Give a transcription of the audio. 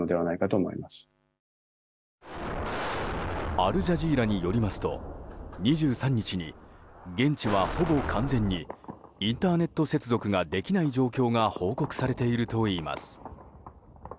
アル・ジャジーラによりますと２３日に、現地はほぼ完全にインターネット接続ができない状況が報告されているといいます。